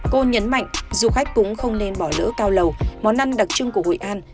cô nhấn mạnh du khách cũng không nên bỏ lỡ cao lầu món ăn đặc trưng của hội an